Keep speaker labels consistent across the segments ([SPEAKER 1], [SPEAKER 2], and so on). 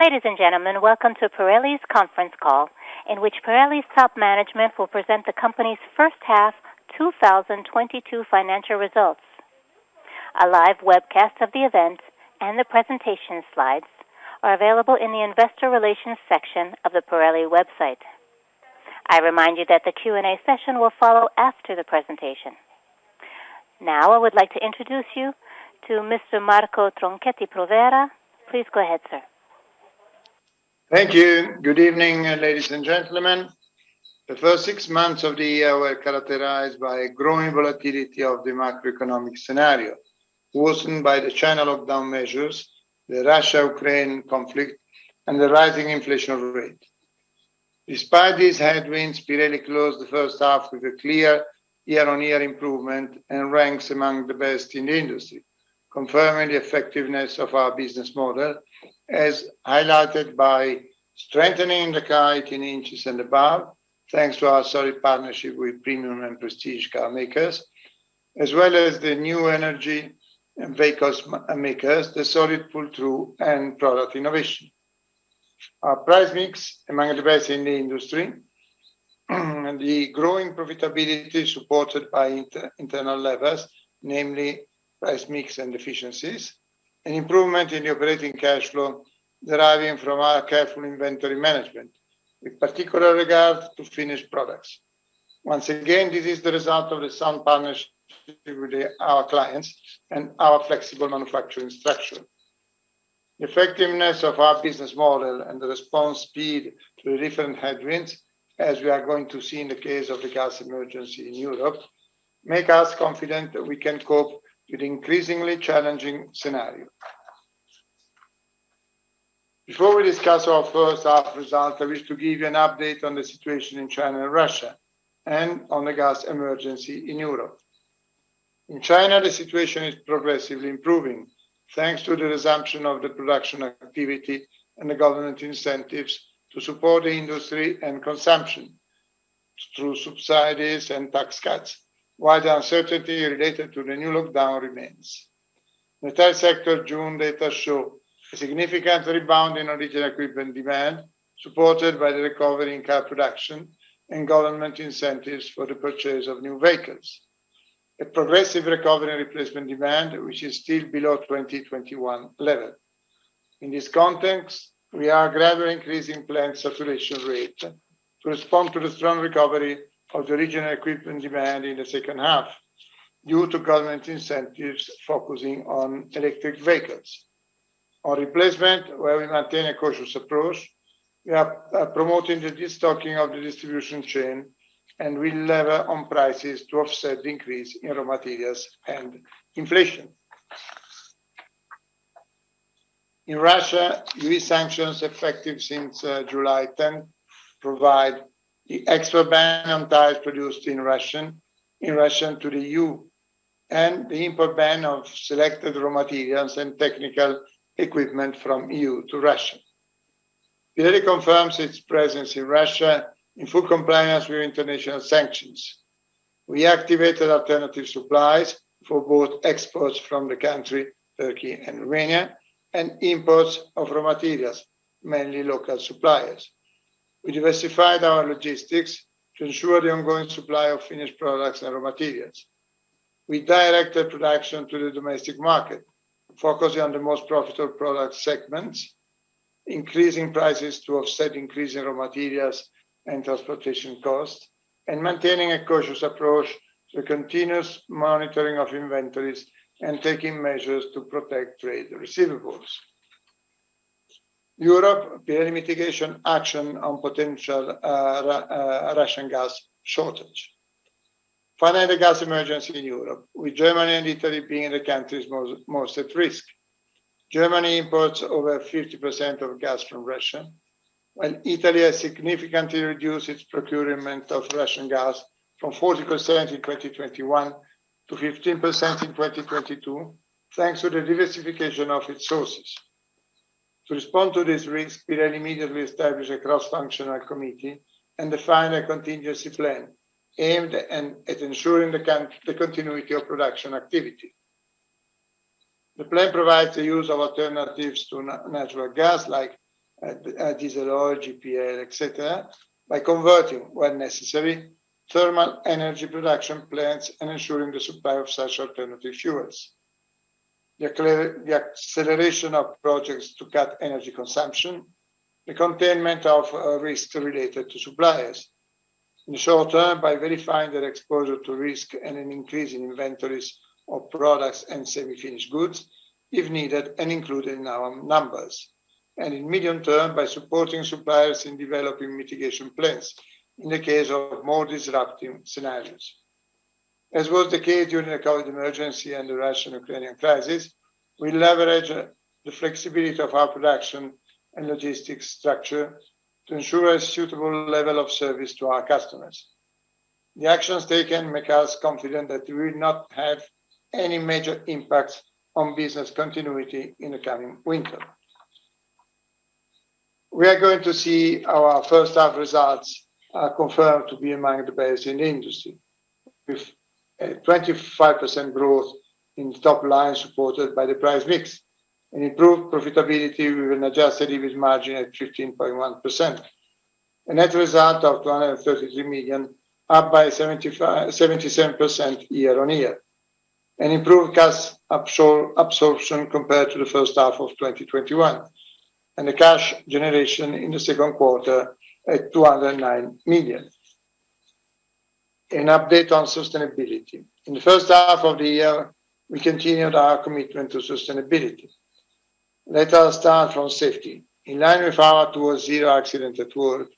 [SPEAKER 1] Ladies and gentlemen, welcome to Pirelli's conference call, in which Pirelli's top management will present the company's first half 2022 financial results. A live webcast of the event and the presentation slides are available in the Investor Relations section of the Pirelli website. I remind you that the Q&A session will follow after the presentation. Now, I would like to introduce you to Mr. Marco Tronchetti Provera. Please go ahead, sir.
[SPEAKER 2] Thank you. Good evening, ladies and gentlemen. The first six months of the year were characterized by growing volatility of the macroeconomic scenario, worsened by the China lockdown measures, the Russia-Ukraine conflict, and the rising inflation rate. Despite these headwinds, Pirelli closed the first half with a clear year-on-year improvement and ranks among the best in the industry, confirming the effectiveness of our business model, as highlighted by strengthening the Car 18 inches and above, thanks to our solid partnership with premium and prestige car makers, as well as the new energy and vehicle makers, the solid pull-through and product innovation. Our price mix, among the best in the industry, the growing profitability supported by internal levers, namely price mix and efficiencies, and improvement in the operating cash flow deriving from our careful inventory management, with particular regard to finished products. Once again, this is the result of the sound partnership with our clients and our flexible manufacturing structure. The effectiveness of our business model and the response speed to the different headwinds, as we are going to see in the case of the gas emergency in Europe, make us confident that we can cope with increasingly challenging scenario. Before we discuss our first half results, I wish to give you an update on the situation in China and Russia, and on the gas emergency in Europe. In China, the situation is progressively improving thanks to the resumption of the production activity and the government incentives to support the industry and consumption through subsidies and tax cuts, while the uncertainty related to the new lockdown remains. The third sector June data show a significant rebound in Original Equipment demand, supported by the recovery in car production and government incentives for the purchase of new vehicles. A progressive recovery in Replacement demand, which is still below 2021 level. In this context, we are gradually increasing plant saturation rate to respond to the strong recovery of the Original Equipment demand in the second half due to government incentives focusing on electric vehicles. On Replacement, where we maintain a cautious approach, we are promoting the destocking of the distribution chain, and we leverage on prices to offset the increase in raw materials and inflation. In Russia, EU sanctions, effective since July 10th, provide the export ban on tyres produced in Russia to the EU, and the import ban of selected raw materials and technical equipment from EU to Russia. Pirelli confirms its presence in Russia in full compliance with international sanctions. We activated alternative supplies for both exports from the country, Turkey and Romania, and imports of raw materials, mainly local suppliers. We diversified our logistics to ensure the ongoing supply of finished products and raw materials. We directed production to the domestic market, focusing on the most profitable product segments, increasing prices to offset increase in raw materials and transportation costs, and maintaining a cautious approach to continuous monitoring of inventories and taking measures to protect trade receivables. Europe, Pirelli mitigation action on potential Russian gas shortage. Finally, the gas emergency in Europe, with Germany and Italy being the countries most at risk. Germany imports over 50% of gas from Russia, while Italy has significantly reduced its procurement of Russian gas from 40% in 2021 to 15% in 2022, thanks to the diversification of its sources. To respond to this risk, Pirelli immediately established a cross-functional committee and defined a contingency plan aimed at ensuring the continuity of production activity. The plan provides the use of alternatives to natural gas like diesel oil, GPL, et cetera, by converting, when necessary, thermal energy production plants and ensuring the supply of such alternative fuels. The acceleration of projects to cut energy consumption, the containment of risk related to suppliers. In the short term, by verifying their exposure to risk and an increase in inventories of products and semi-finished goods if needed and included in our numbers, and in medium term by supporting suppliers in developing mitigation plans in the case of more disruptive scenarios. As was the case during the COVID emergency and the Russian-Ukrainian crisis, we leverage the flexibility of our production and logistics structure to ensure a suitable level of service to our customers. The actions taken make us confident that we will not have any major impacts on business continuity in the coming winter. We are going to see our first half results confirmed to be among the best in the industry. With a 25% growth in the top line supported by the price mix, an improved profitability with an adjusted EBIT margin at 13.1%. A net result of 233 million, up 77% year-on-year. An improved cash absorption compared to the first half of 2021, and a cash generation in the second quarter at 209 million. An update on sustainability. In the first half of the year, we continued our commitment to sustainability. Let us start from safety. In line with our towards zero accident at work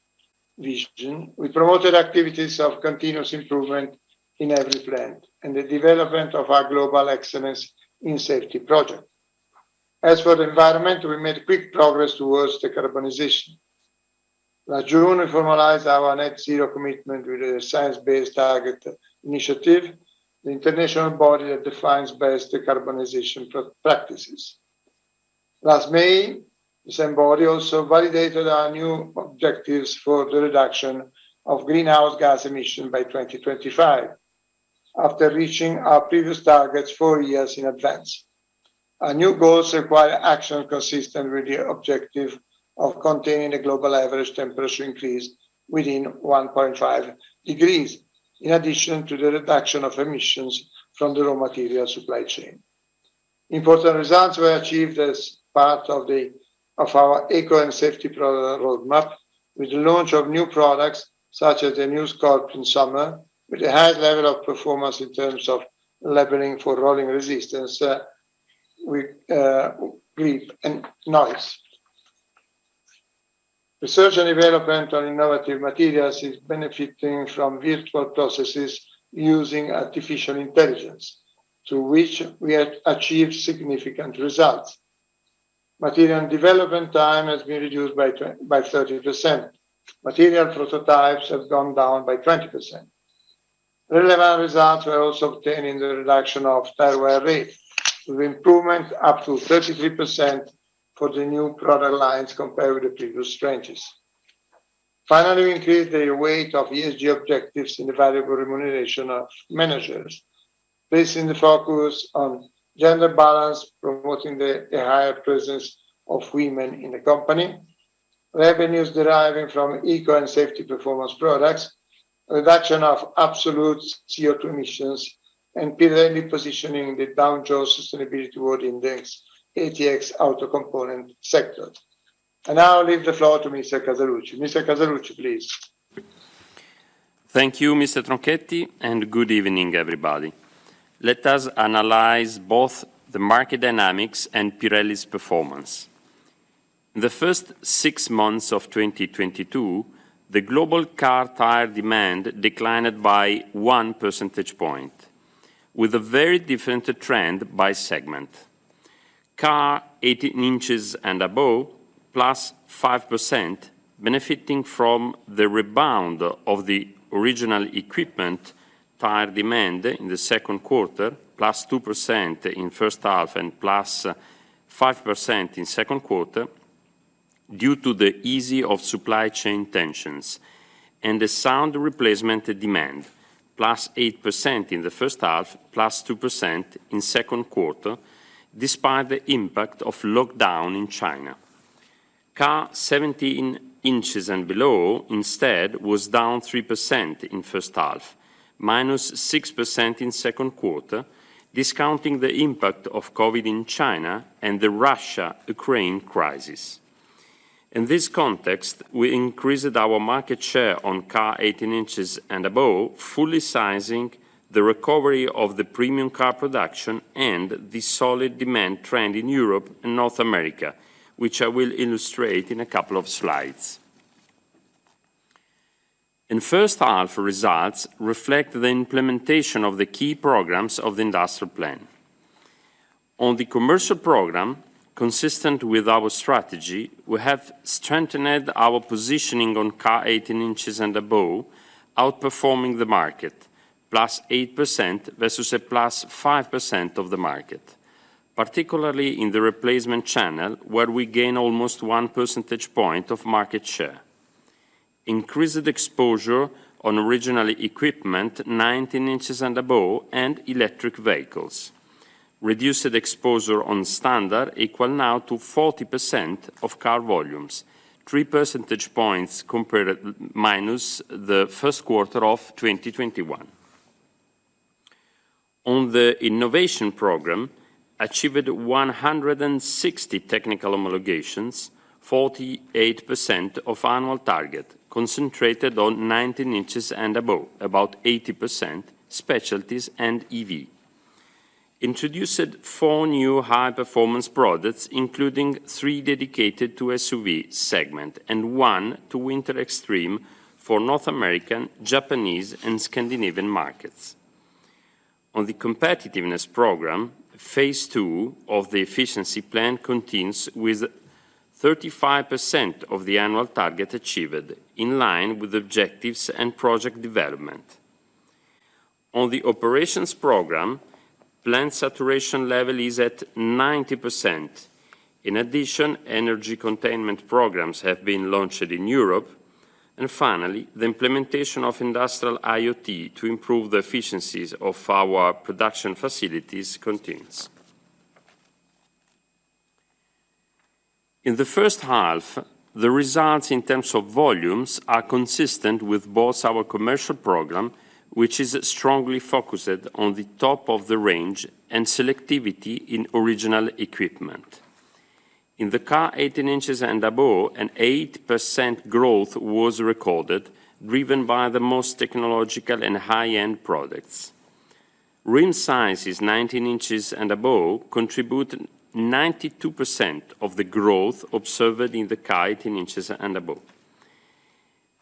[SPEAKER 2] vision, we promoted activities of continuous improvement in every plant and the development of our global excellence in safety project. As for the environment, we made big progress towards the decarbonization. Last June, we formalized our net zero commitment with a Science Based Targets initiative, the international body that defines best decarbonization practices. Last May, the same body also validated our new objectives for the reduction of greenhouse gas emission by 2025 after reaching our previous targets four years in advance. Our new goals require action consistent with the objective of containing the global average temperature increase within 1.5 degrees, in addition to the reduction of emissions from the raw material supply chain. Important results were achieved as part of our Eco & Safety product roadmap, with the launch of new products such as the new Scorpion Summer, with a high level of performance in terms of labelling for rolling resistance, with grip and noise. Research and development on innovative materials is benefiting from virtual processes using artificial intelligence, to which we have achieved significant results. Material development time has been reduced by 30%. Material prototypes have gone down by 20%. Relevant results were also obtained in the reduction of tyre wear rate, with improvement up to 33% for the new product lines compared with the previous ranges. Finally, we increased the weight of ESG objectives in the variable remuneration of managers, placing the focus on gender balance, promoting the higher presence of women in the company, revenues deriving from Eco & Safety performance products, reduction of absolute CO2 emissions, and Pirelli positioning in the Dow Jones Sustainability World Index, ATX Auto Component sector. I now leave the floor to Mr. Casaluci. Mr. Casaluci, please.
[SPEAKER 3] Thank you, Mr. Tronchetti, and good evening, everybody. Let us analyze both the market dynamics and Pirelli's performance. The first six months of 2022, the Global Car tyre demand declined by 1 percentage point, with a very different trend by segment. Car 18 inches and above, +5%, benefiting from the rebound of the Original Equipment tyre demand in the second quarter, +2% in first half and +5% in second quarter, due to the easing of supply chain tensions and the sound Replacement demand, +8% in the first half, +2% in second quarter, despite the impact of lockdown in China. Car 17 inches and below, instead, was down 3% in first half, -6% in second quarter, discounting the impact of COVID in China and the Russia-Ukraine crisis. In this context, we increased our market share on Car 18 inches and above, fully seizing the recovery of the Premium Car production and the solid demand trend in Europe and North America, which I will illustrate in a couple of slides. Our first-half results reflect the implementation of the key programs of the industrial plan. On the commercial program, consistent with our strategy, we have strengthened our positioning on Car 18 inches and above, outperforming the market, +8% versus a +5% of the market, particularly in the Replacement channel, where we gain almost 1 percentage point of market share. Increased exposure on Original Equipment 19 inches and above and electric vehicles. Reduced exposure on standard OE now to 40% of car volumes, -3 percentage points compared to the first quarter of 2021. On the innovation program, achieved 160 technical homologations, 48% of annual target, concentrated on 19 inches and above, about 80% specialties and EV. Introduced four new high performance products, including three dedicated to SUV segment and 1 to winter extreme for North American, Japanese and Scandinavian markets. On the competitiveness program, phase II of the efficiency plan continues with 35% of the annual target achieved, in line with objectives and project development. On the operations program, plant saturation level is at 90%. In addition, energy containment programs have been launched in Europe. Finally, the implementation of industrial IoT to improve the efficiencies of our production facilities continues. In the first half, the results in terms of volumes are consistent with both our commercial program, which is strongly focused on the top of the range and selectivity in Original Equipment. In the Car 18 inches and above, an 8% growth was recorded, driven by the most technological and high-end products. Rim sizes 19 inches and above contribute 92% of the growth observed in the Car 18 inches and above.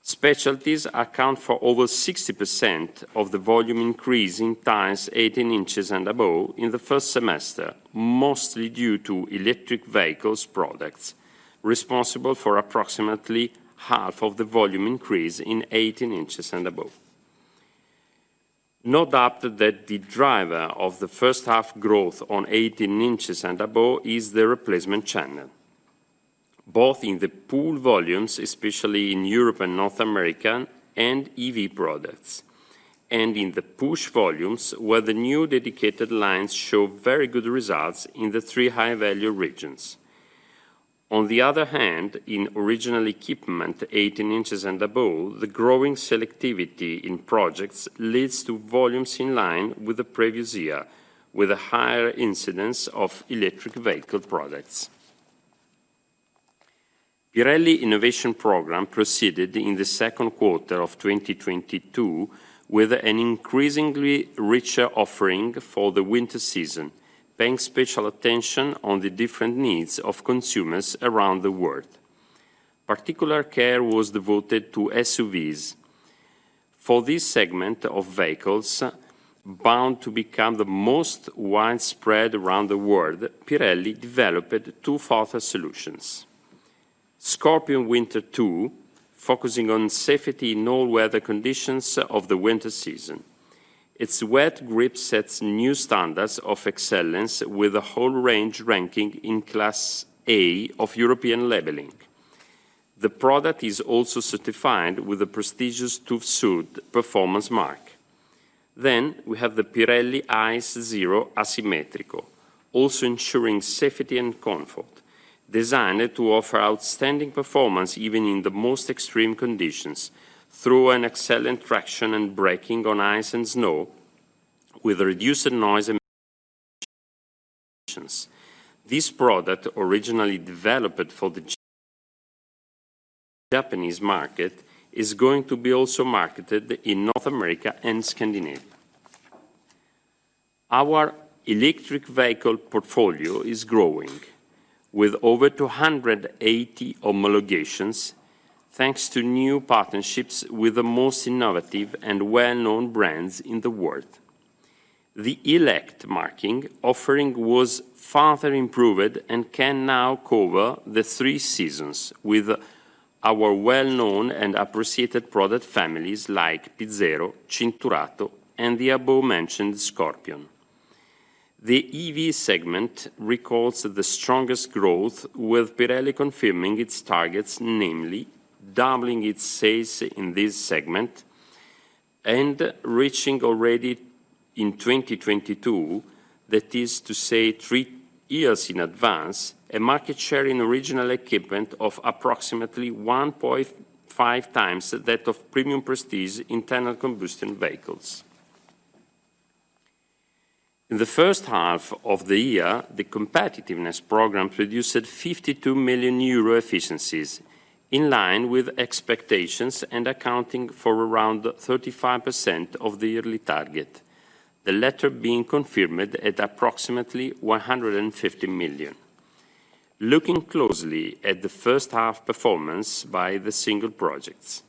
[SPEAKER 3] Specialties account for over 60% of the volume increase in tyres 18 inches and above in the first semester, mostly due to electric vehicles products, responsible for approximately half of the volume increase in 18 inches and above. No doubt that the driver of the first half growth on 18 inches and above is the Replacement channel, both in the pull volumes, especially in Europe and North America, and EV products, and in the push volumes, where the new dedicated lines show very good results in the three high-value regions. On the other hand, in Original Equipment 18 inches and above, the growing selectivity in projects leads to volumes in line with the previous year, with a higher incidence of electric vehicle products. Pirelli innovation program proceeded in the second quarter of 2022 with an increasingly richer offering for the winter season, paying special attention on the different needs of consumers around the world. Particular care was devoted to SUVs. For this segment of vehicles, bound to become the most widespread around the world, Pirelli developed two further solutions. Scorpion Winter Two, focusing on safety in all weather conditions of the winter season. Its wet grip sets new standards of excellence with a whole range ranking in class A of European labeling. The product is also certified with the prestigious TÜV SÜD performance mark. We have the Pirelli ICE ZERO ASIMMETRICO, also ensuring safety and comfort, designed to offer outstanding performance even in the most extreme conditions through an excellent traction and braking on ice and snow with reduced noise. This product, originally developed for the Japanese market, is going to be also marketed in North America and Scandinavia. Our electric vehicle portfolio is growing with over 280 homologations, thanks to new partnerships with the most innovative and well-known brands in the world. The Elect marking offering was further improved and can now cover the three seasons with our well-known and appreciated product families like P Zero, Cinturato, and the above-mentioned Scorpion. The EV segment records the strongest growth, with Pirelli confirming its targets, namely doubling its sales in this segment and reaching already in 2022, that is to say three years in advance, a market share in Original Equipment of approximately 1.5x that of premium prestige internal combustion vehicles. In the first half of the year, the competitiveness program produced 52 million euro efficiencies, in line with expectations and accounting for around 35% of the yearly target, the latter being confirmed at approximately 150 million. Looking closely at the first half performance by the single projects.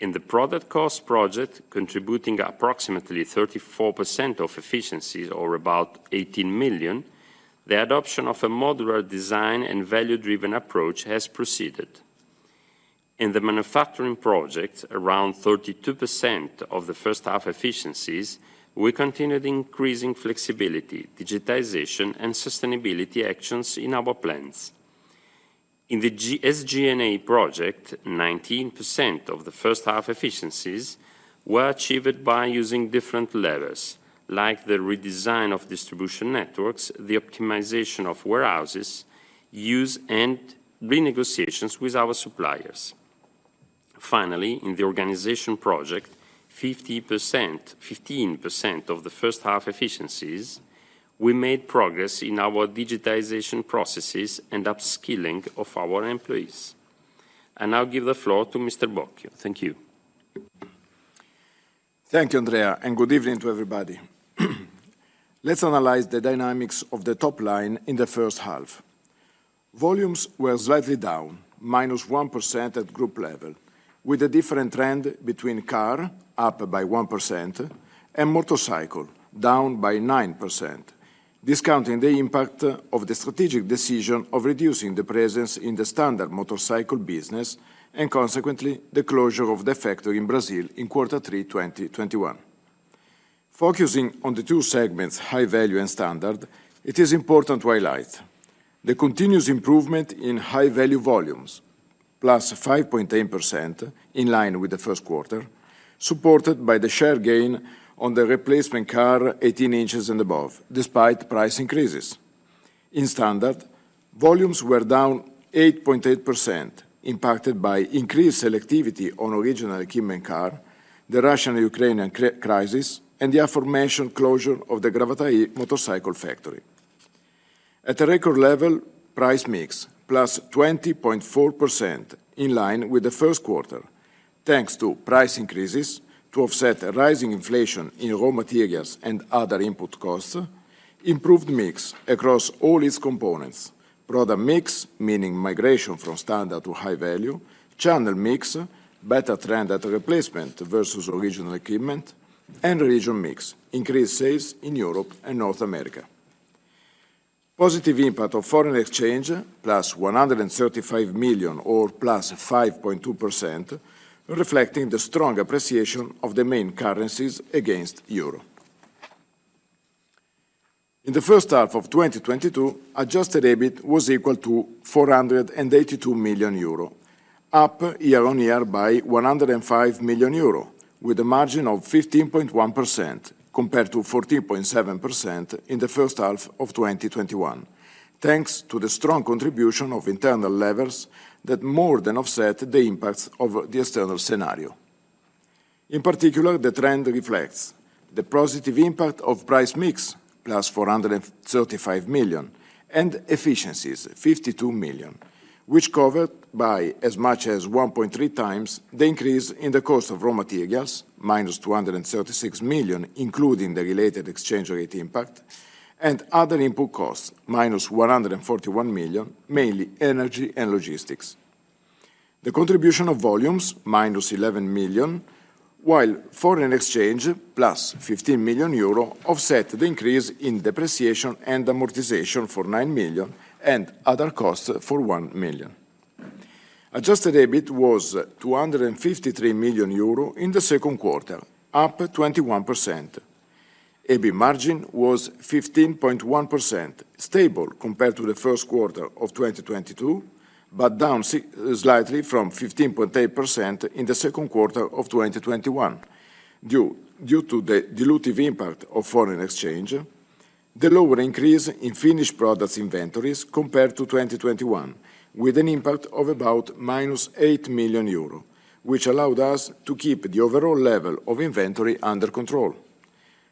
[SPEAKER 3] In the product cost project, contributing approximately 34% of efficiencies or about 18 million, the adoption of a modular design and value-driven approach has proceeded. In the manufacturing project, around 32% of the first half efficiencies, we continued increasing flexibility, digitization, and sustainability actions in our plans. In the SG&A project, 19% of the first half efficiencies were achieved by using different levers, like the redesign of distribution networks, the optimization of warehouses, use and renegotiations with our suppliers. Finally, in the organization project, 15% of the first half efficiencies, we made progress in our digitization processes and upskilling of our employees. I now give the floor to Mr. Bocchio. Thank you.
[SPEAKER 4] Thank you, Andrea, and good evening to everybody. Let's analyze the dynamics of the top line in the first half. Volumes were slightly down, -1% at group level, with a different trend between car, up by 1%, and motorcycle, down by 9%, discounting the impact of the strategic decision of reducing the presence in the standard motorcycle business and consequently, the closure of the factory in Brazil in quarter three 2021. Focusing on the two segments, high value and standard, it is important to highlight the continuous improvement in high value volumes, +5.8% in line with the first quarter, supported by the share gain on the Replacement Car 18 inches and above, despite price increases. In Standard, volumes were down 8.8%, impacted by increased selectivity on Original Equipment car, the Russian and Ukrainian crisis, and the aforementioned closure of the Gravataí motorcycle factory. At a record level, price mix +20.4% in line with the first quarter, thanks to price increases to offset rising inflation in raw materials and other input costs, improved mix across all its components. Product mix, meaning migration from standard to high value. Channel mix, better trend at Replacement versus Original Equipment. Region mix, increased sales in Europe and North America. Positive impact of foreign exchange, +135 million or +5.2%, reflecting the strong appreciation of the main currencies against euro. In the first half of 2022, adjusted EBIT was equal to 482 million euro, up year-over-year by 105 million euro, with a margin of 15.1% compared to 14.7% in the first half of 2021, thanks to the strong contribution of internal levers that more than offset the impacts of the external scenario. In particular, the trend reflects the positive impact of price mix, +435 million, and efficiencies, 52 million, which covered by as much as 1.3x the increase in the cost of raw materials, -236 million, including the related exchange rate impact, and other input costs, -141 million, mainly energy and logistics. The contribution of volumes, -11 million, while foreign exchange, +15 million euro, offset the increase in depreciation and amortization for 9 million and other costs for 1 million. Adjusted EBIT was 253 million euro in the second quarter, up 21%. EBIT margin was 15.1%, stable compared to the first quarter of 2022, but down slightly from 15.8% in the second quarter of 2021 due to the dilutive impact of foreign exchange, the lower increase in finished products inventories compared to 2021, with an impact of about -8 million euro, which allowed us to keep the overall level of inventory under control.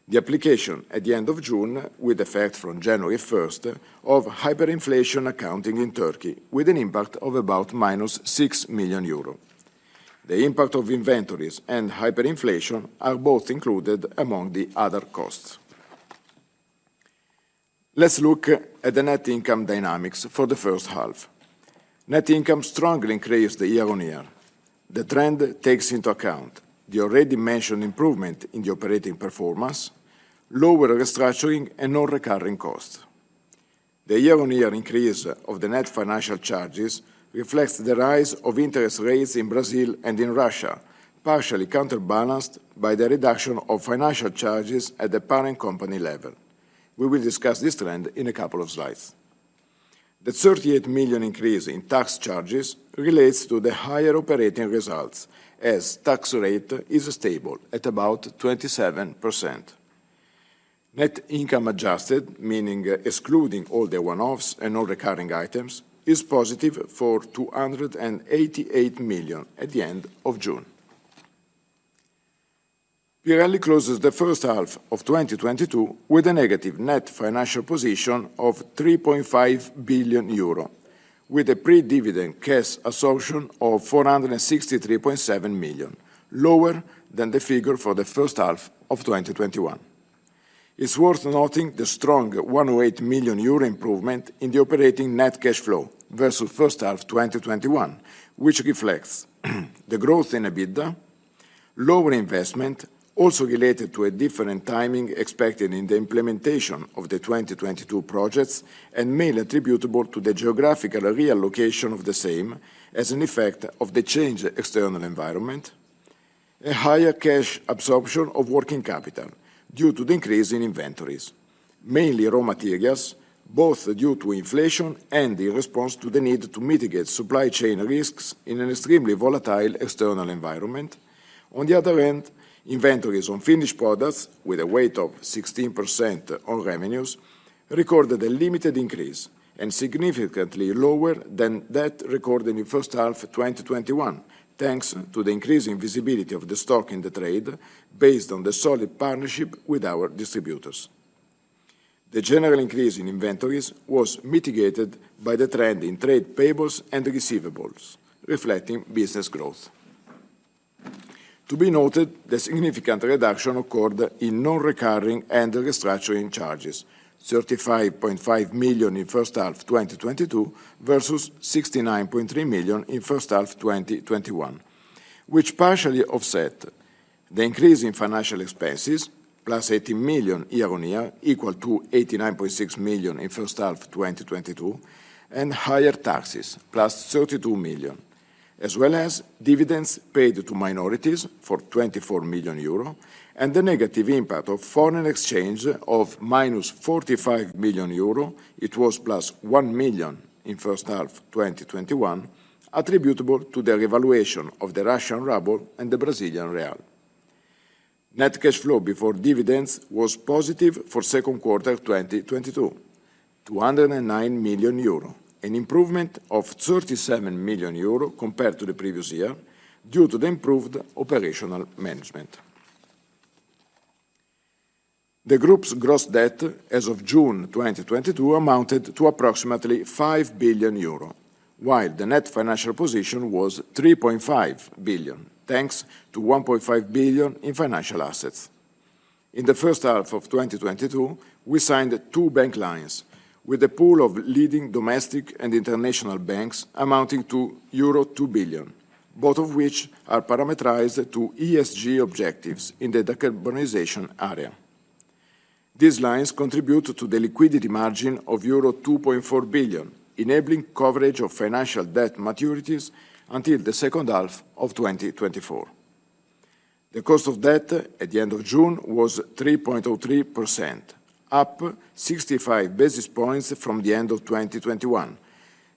[SPEAKER 4] The application at the end of June with effect from January 1st of hyperinflation accounting in Turkey with an impact of about -6 million euro. The impact of inventories and hyperinflation are both included among the other costs. Let's look at the net income dynamics for the first half. Net income strongly increased year-over-year. The trend takes into account the already mentioned improvement in the operating performance, lower restructuring and non-recurring costs. The year-over-year increase of the net financial charges reflects the rise of interest rates in Brazil and in Russia, partially counterbalanced by the reduction of financial charges at the parent company level. We will discuss this trend in a couple of slides. The 38 million increase in tax charges relates to the higher operating results as tax rate is stable at about 27%. Net income adjusted, meaning excluding all the one-offs and non-recurring items, is positive for 288 million at the end of June. Pirelli closes the first half of 2022 with a negative net financial position of 3.5 billion euro with a pre-dividend cash absorption of 463.7 million, lower than the figure for the first half of 2021. It's worth noting the strong 108 million euro improvement in the operating net cash flow versus first half 2021, which reflects the growth in EBITDA, lower investment also related to a different timing expected in the implementation of the 2022 projects and mainly attributable to the geographical reallocation of the same as an effect of the changed external environment. A higher cash absorption of working capital due to the increase in inventories, mainly raw materials, both due to inflation and in response to the need to mitigate supply chain risks in an extremely volatile external environment. On the other hand, inventories on finished products with a weight of 16% on revenues recorded a limited increase and significantly lower than that recorded in first half 2021, thanks to the increasing visibility of the stock in the trade based on the solid partnership with our distributors. The general increase in inventories was mitigated by the trend in trade payables and receivables reflecting business growth. To be noted, the significant reduction occurred in non-recurring and restructuring charges, 35.5 million in first half 2022 versus 69.3 million in first half 2021, which partially offset the increase in financial expenses, +80 million year-on-year equal to 89.6 million in first half 2022, and higher taxes, +32 million, as well as dividends paid to minorities for 24 million euro and the negative impact of foreign exchange of -45 million euro. It was +1 million in first half 2021, attributable to the revaluation of the Russian ruble and the Brazilian real. Net cash flow before dividends was positive for second quarter 2022, 209 million euro, an improvement of 37 million euro compared to the previous year, due to the improved operational management. The group's gross debt as of June 2022 amounted to approximately 5 billion euro, while the net financial position was 3.5 billion, thanks to 1.5 billion in financial assets. In the first half of 2022, we signed two bank lines with a pool of leading domestic and international banks amounting to euro 2 billion, both of which are parameterized to ESG objectives in the decarbonization area. These lines contribute to the liquidity margin of euro 2.4 billion, enabling coverage of financial debt maturities until the second half of 2024. The cost of debt at the end of June was 3.03%, up 65 basis points from the end of 2021,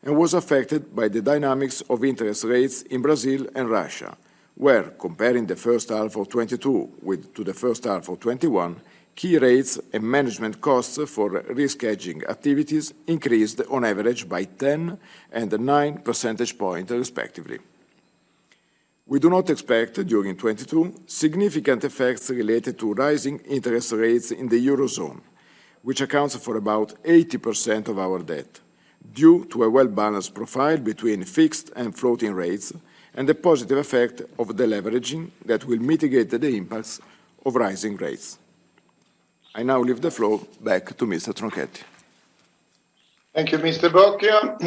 [SPEAKER 4] and was affected by the dynamics of interest rates in Brazil and Russia, where comparing the first half of 2022 to the first half of 2021, key rates and management costs for risk hedging activities increased on average by 10 and 9 percentage points respectively. We do not expect, during 2022, significant effects related to rising interest rates in the Eurozone, which accounts for about 80% of our debt, due to a well-balanced profile between fixed and floating rates and the positive effect of the deleveraging that will mitigate the impacts of rising rates. I now leave the floor back to Mr. Tronchetti.
[SPEAKER 2] Thank you, Mr. Bocchio.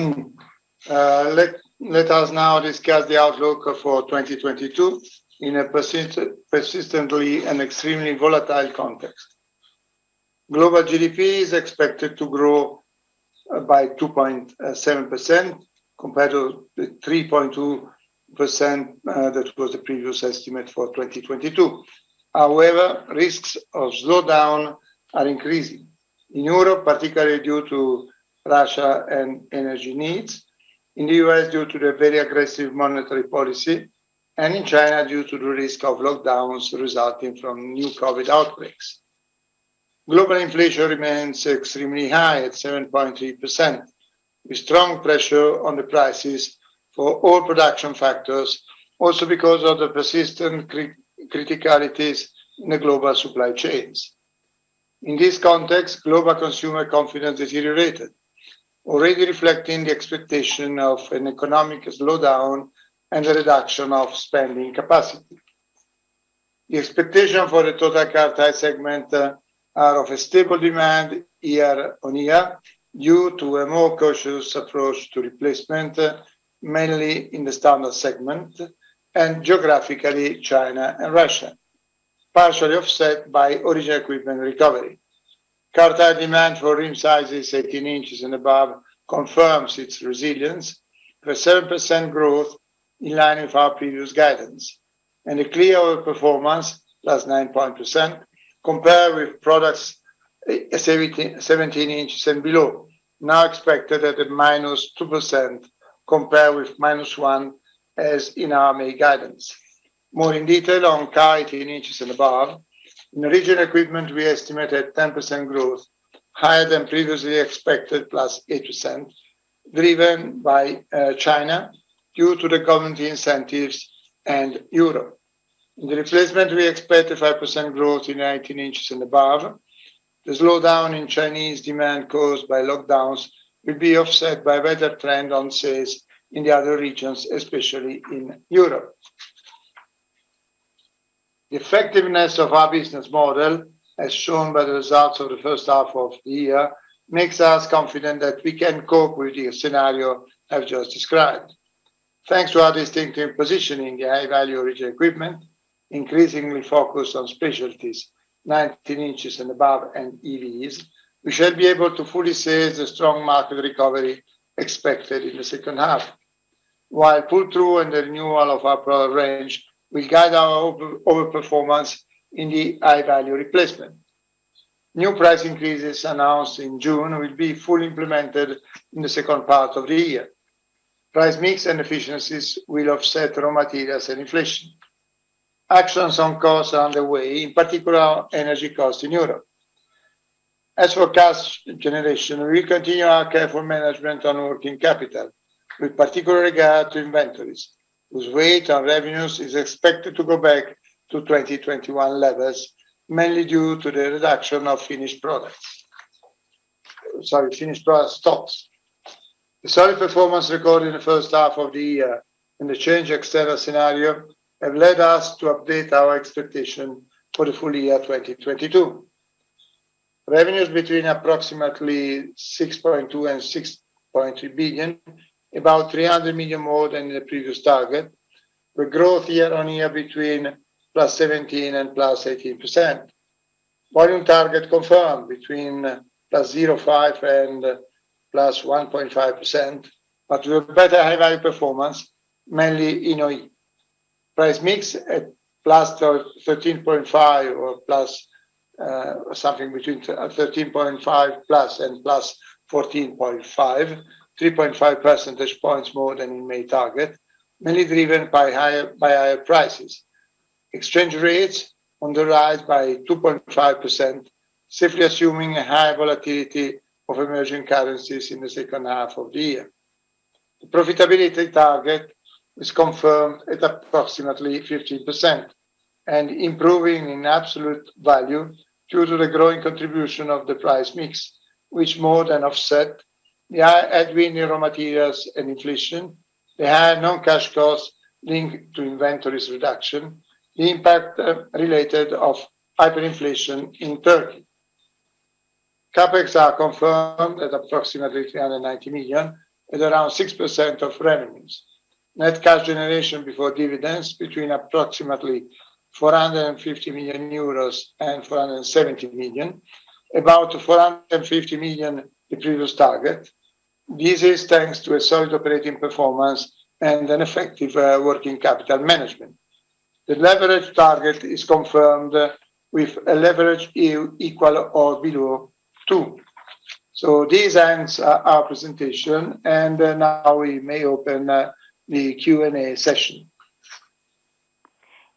[SPEAKER 2] Let us now discuss the outlook for 2022 in a persistently and extremely volatile context. Global GDP is expected to grow by 2.7% compared to the 3.2% that was the previous estimate for 2022. However, risks of slowdown are increasing. In Europe, particularly due to Russia and energy needs, in the U.S. due to the very aggressive monetary policy, and in China due to the risk of lockdowns resulting from new COVID outbreaks. Global inflation remains extremely high at 7.3%, with strong pressure on the prices for all production factors, also because of the persistent criticalities in the global supply chains. In this context, global consumer confidence deteriorated, already reflecting the expectation of an economic slowdown and the reduction of spending capacity. The expectation for the total Car Tyre segment is of a stable demand year-on-year due to a more cautious approach to Replacement, mainly in the standard segment and geographically China and Russia, partially offset by Original Equipment recovery. Car tyre demand for rim sizes 18 inches and above confirms its resilience with 7% growth in line with our previous guidance, and a clear overperformance, +9%, compared with products seventeen inches and below, now expected at a -2% compared with -1% as in our May guidance. More in detail on Car 18 inches and above, in Original Equipment, we estimate a 10% growth higher than previously expected, +8%, driven by China due to the government incentives and Europe. In the Replacement, we expect a 5% growth in 18 inches and above. The slowdown in Chinese demand caused by lockdowns will be offset by better trend on sales in the other regions, especially in Europe. The effectiveness of our business model, as shown by the results of the first half of the year, makes us confident that we can cope with the scenario I've just described. Thanks to our distinctive positioning in high-value Original Equipment, increasingly focused on specialties 19 inches and above and EVs, we should be able to fully seize the strong market recovery expected in the second half. While pull-through and the renewal of our product range will guide our overperformance in the high-value Replacement. New price increases announced in June will be fully implemented in the second part of the year. Price mix and efficiencies will offset raw materials and inflation. Actions on costs are underway, in particular on energy costs in Europe. As for cash generation, we continue our careful management on working capital, with particular regard to inventories, whose weight on revenues is expected to go back to 2021 levels, mainly due to the reduction of finished product stocks. The solid performance recorded in the first half of the year and the changed external scenario have led us to update our expectation for the full year 2022. Revenues between approximately 6.2 billion and 6.3 billion, about 300 million more than the previous target, with growth year-on-year between +17% and +18%. Volume target confirmed between +0.5% and +1.5%, but with better high-value performance, mainly in our price mix at +13.5% or plus, something between +13.5% and +14.5%, 3.5 percentage points more than we may target, mainly driven by higher prices. Exchange rates on the rise by 2.5%, safely assuming a high volatility of emerging currencies in the second half of the year. The profitability target is confirmed at approximately 50% and improving in absolute value due to the growing contribution of the price mix, which more than offset the higher admin, raw materials, and inflation, the high non-cash costs linked to inventories reduction, the impact related to hyperinflation in Turkey. CapEx are confirmed at approximately 390 million, at around 6% of revenues. Net cash generation before dividends between approximately 450 million euros and 470 million, about 450 million the previous target. This is thanks to a solid operating performance and an effective working capital management. The leverage target is confirmed with a leverage equal or below two. This ends our presentation, and now we may open the Q&A session.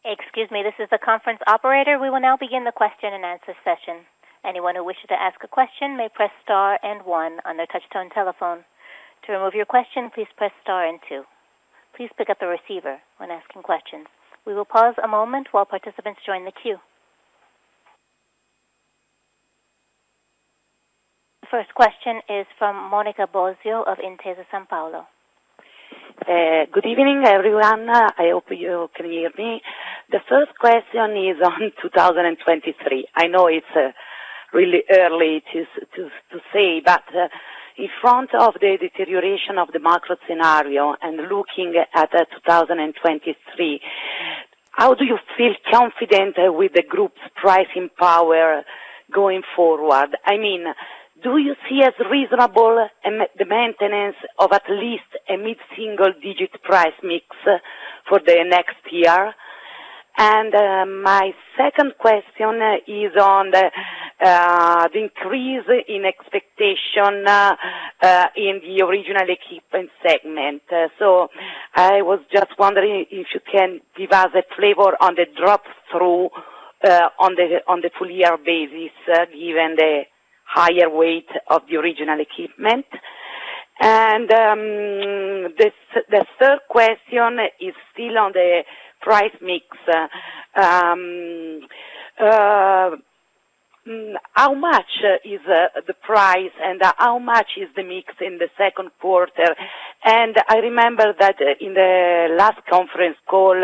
[SPEAKER 1] Excuse me, this is the conference operator. We will now begin the question and answer session. Anyone who wishes to ask a question may press star and one on their touchtone telephone. To remove your question, please press star and two. Please pick up the receiver when asking questions. We will pause a moment while participants join the queue. The first question is from Monica Bosio of Intesa Sanpaolo.
[SPEAKER 5] Good evening, everyone. I hope you can hear me. The first question is on 2023. I know it's really early to say, but in front of the deterioration of the market scenario and looking at 2023, how do you feel confident with the group's pricing power going forward? I mean, do you see as reasonable the maintenance of at least a mid-single digit price mix for the next year? My second question is on the increase in expectation in the Original Equipment segment. I was just wondering if you can give us a flavor on the drop through on the full year basis, given the higher weight of the Original Equipment. The third question is still on the price mix. How much is the price and how much is the mix in the second quarter? I remember that in the last conference call,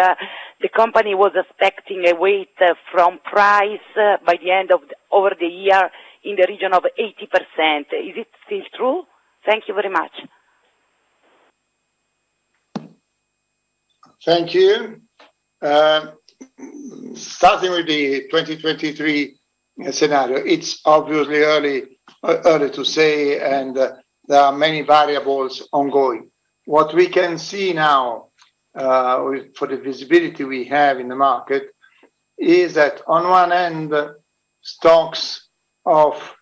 [SPEAKER 5] the company was expecting a weight from price over the year in the region of 80%. Is it still true? Thank you very much.
[SPEAKER 2] Thank you. Starting with the 2023 scenario, it's obviously early to say, and there are many variables ongoing. What we can see now, for the visibility we have in the market is that on one end, stocks of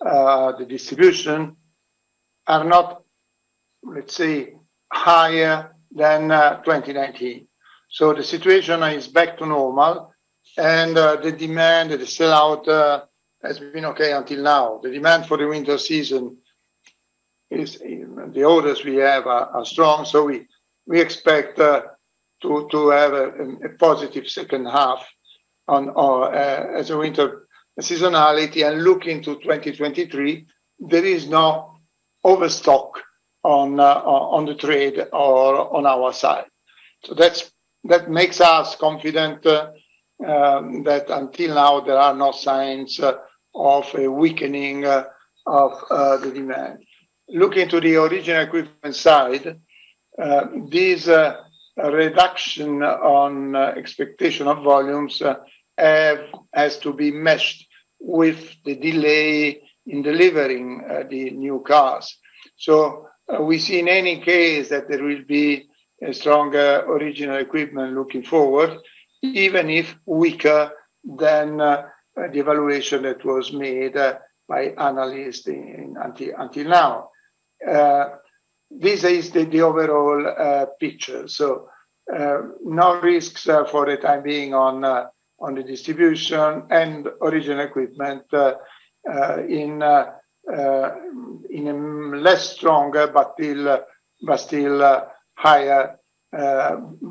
[SPEAKER 2] the distribution are not, let's say, higher than 2019. The situation is back to normal and the demand, the sellout, has been okay until now. The demand for the winter season is. The orders we have are strong, so we expect to have a positive second half on our as a winter seasonality and look into 2023, there is no overstock on the trade or on our side. That makes us confident that until now, there are no signs of a weakening of the demand. Looking to the Original Equipment side, this reduction on expectation of volumes has to be meshed with the delay in delivering the new cars. We see in any case that there will be a stronger Original Equipment looking forward, even if weaker than the evaluation that was made by analysts until now. This is the overall picture. No risks for the time being on the distribution and Original Equipment in less strong but still higher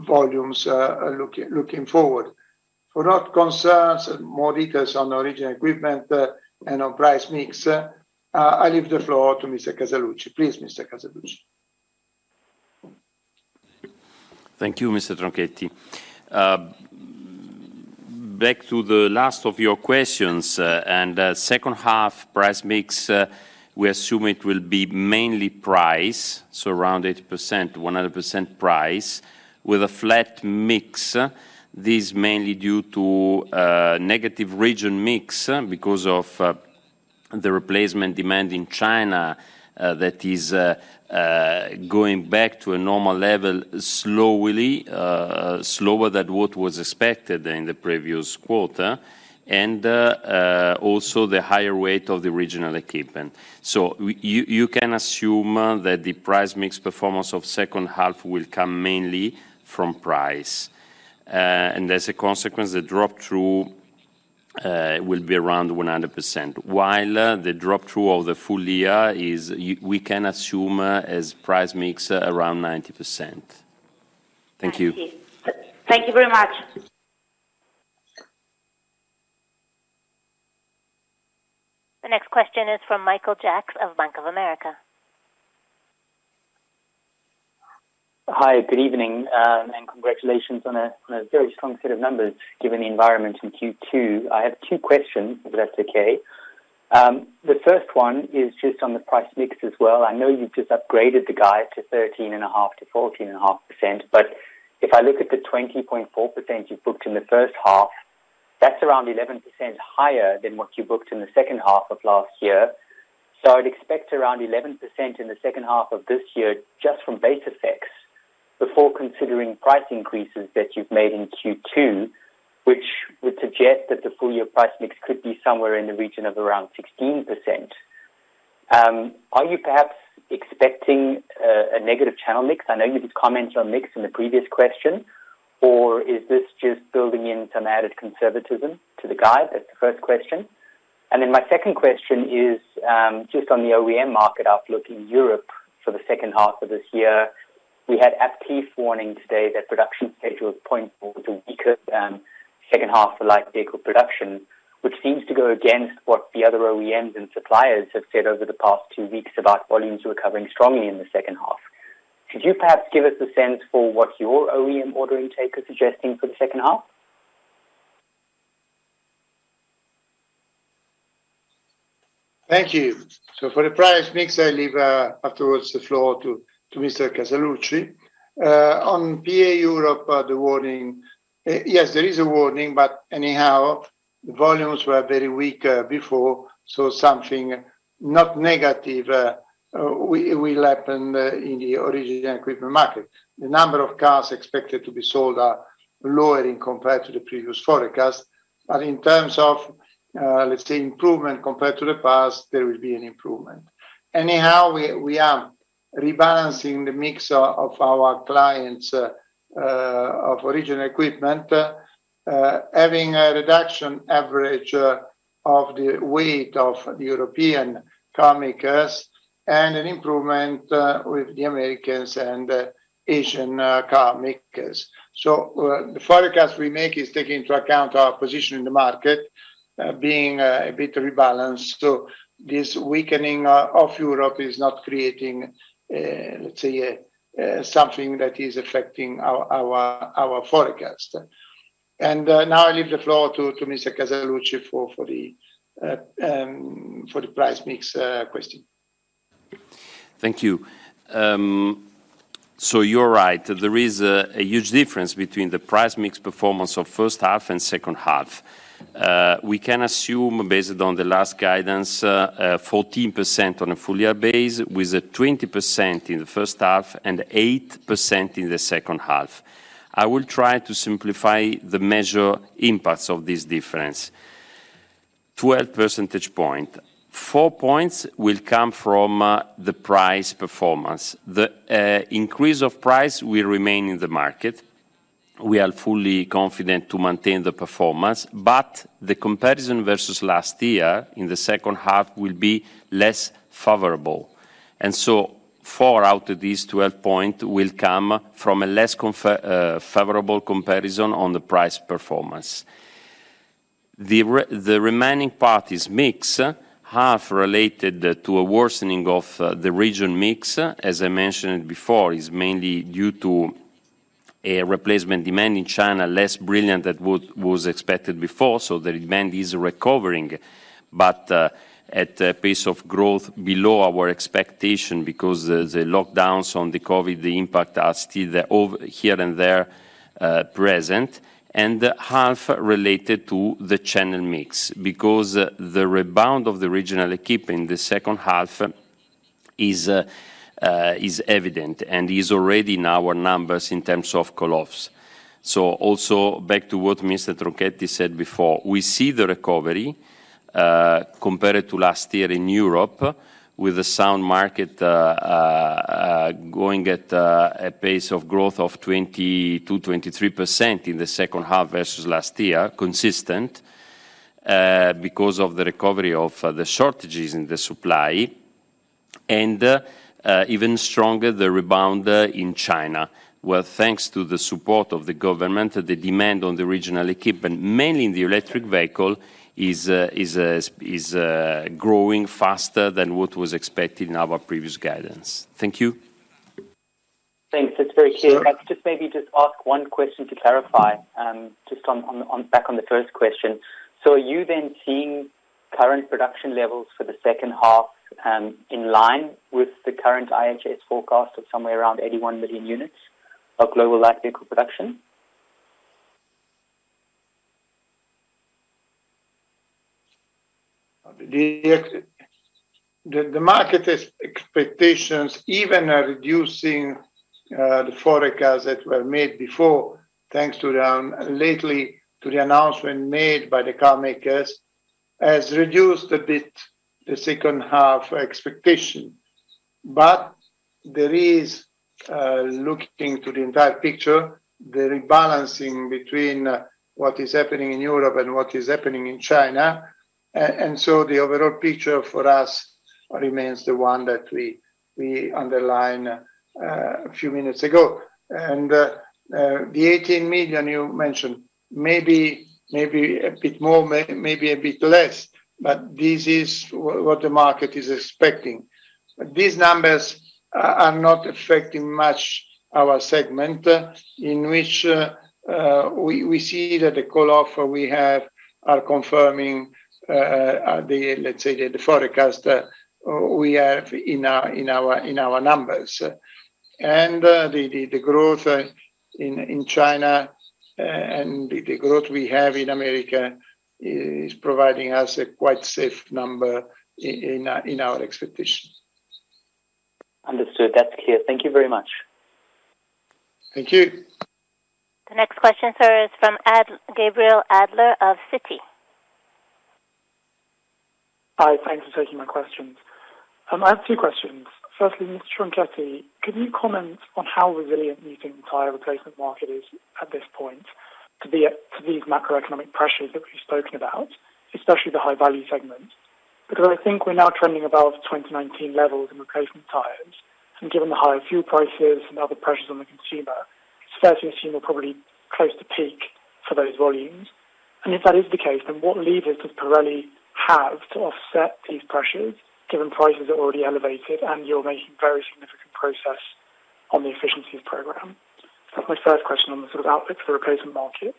[SPEAKER 2] volumes looking forward. For concerns and more details on Original Equipment and on price mix, I leave the floor to Mr. Casaluci. Please, Mr. Casaluci.
[SPEAKER 3] Thank you, Mr. Tronchetti. Back to the last of your questions, second half price mix, we assume it will be mainly price, so around 80%, 100% price, with a flat mix. This mainly due to negative region mix because of the Replacement demand in China that is going back to a normal level slowly, slower than what was expected in the previous quarter. Also the higher weight of the Original Equipment. You can assume that the price mix performance of second half will come mainly from price. As a consequence, the drop-through will be around 100%, while the drop-through of the full year we can assume as price mix around 90%. Thank you.
[SPEAKER 5] Thank you. Thank you very much.
[SPEAKER 1] The next question is from Michael Jacks of Bank of America.
[SPEAKER 6] Hi, good evening. Congratulations on a very strong set of numbers given the environment in Q2. I have two questions, if that's okay. The first one is just on the price mix as well. I know you just upgraded the guide to 13.5%-14.5%, but if I look at the 20.4% you booked in the first half, that's around 11% higher than what you booked in the second half of last year. I'd expect around 11% in the second half of this year just from base effects before considering price increases that you've made in Q2, which would suggest that the full year price mix could be somewhere in the region of around 16%. Are you perhaps expecting a negative channel mix? I know you just commented on mix in the previous question, or is this just building in some added conservatism to the guide? That's the first question. My second question is just on the OEM market outlook in Europe for the second half of this year. We had a piece warning today that production schedule points towards a weaker second half for light vehicle production, which seems to go against what the other OEMs and suppliers have said over the past two weeks about volumes recovering strongly in the second half. Could you perhaps give us a sense for what your OEM order intake is suggesting for the second half?
[SPEAKER 2] Thank you. For the price mix, I leave afterwards the floor to Mr. Casaluci. On OE Europe, the warning, yes, there is a warning, but anyhow, the volumes were very weak before, so something not negative will happen in the Original Equipment market. The number of cars expected to be sold are lower as compared to the previous forecast. In terms of, let's say, improvement compared to the past, there will be an improvement. Anyhow, we are rebalancing the mix of our clients of Original Equipment, having an average reduction of the weight of the European car makers and an improvement with the Americans and Asian car makers. The forecast we make is taking into account our position in the market, being a bit rebalanced. This weakening of Europe is not creating, let's say, something that is affecting our forecast. Now I leave the floor to Mr. Casaluci for the price mix question.
[SPEAKER 3] Thank you. So you're right. There is a huge difference between the price mix performance of first half and second half. We can assume based on the last guidance, 14% on a full year base with a 20% in the first half and 8% in the second half. I will try to simplify the measure impacts of this difference. 12 percentage points. Four points will come from the price performance. The increase of price will remain in the market. We are fully confident to maintain the performance, but the comparison versus last year in the second half will be less favorable. Four out of these 12 points will come from a less favorable comparison on the price performance. The remaining part is mix, half related to a worsening of the region mix, as I mentioned before, is mainly due to a Replacement demand in China, less brilliant than what was expected before. The demand is recovering, but at a pace of growth below our expectation because the lockdowns on the COVID impact are still over here and there present. Half related to the channel mix. The rebound of the Original Equipment in the second half is evident and is already in our numbers in terms of call-offs. Also back to what Mr. Tronchetti said before, we see the recovery, compared to last year in Europe with a sound market, going at a pace of growth of 20%-23% in the second half versus last year, consistent, because of the recovery of the shortages in the supply and, even stronger the rebound in China. Well, thanks to the support of the government, the demand on the Replacement equipment, mainly in the electric vehicle, is growing faster than what was expected in our previous guidance. Thank you.
[SPEAKER 6] Thanks. That's very clear.
[SPEAKER 3] Sure.
[SPEAKER 6] I'll just maybe ask one question to clarify, just on back on the first question. Are you then seeing current production levels for the second half, in line with the current IHS forecast of somewhere around 81 million units of global light vehicle production?
[SPEAKER 2] The market expectations even are reducing the forecast that were made before, thanks to the latest announcement made by the car makers, has reduced a bit the second half expectation. There is, looking to the entire picture, the rebalancing between what is happening in Europe and what is happening in China. The overall picture for us remains the one that we underline a few minutes ago. The 18 million you mentioned, maybe a bit more, maybe a bit less, but this is what the market is expecting. These numbers are not affecting much our segment, in which we see that the call off we have are confirming the, let's say, the forecast that we have in our numbers. The growth in China and the growth we have in America is providing us a quite safe number in our expectations.
[SPEAKER 6] Understood. That's clear. Thank you very much.
[SPEAKER 2] Thank you.
[SPEAKER 1] The next question, sir, is from Gabriel Adler of Citi.
[SPEAKER 7] Hi, thanks for taking my questions. I have two questions. Firstly, Mr. Tronchetti, can you comment on how resilient you think the entire Replacement market is at this point to these macroeconomic pressures that we've spoken about, especially the high value segment? Because I think we're now trending above 2019 levels in Replacement tyres, and given the higher fuel prices and other pressures on the consumer, starts to seem we're probably close to peak for those volumes. If that is the case, then what levers does Pirelli have to offset these pressures, given prices are already elevated and you're making very significant progress on the efficiencies program? That's my first question on the sort of outlook for Replacement market.